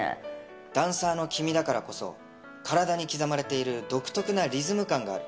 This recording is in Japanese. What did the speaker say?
ダンサーの君だからこそ、体に刻まれている独特なリズム感がある。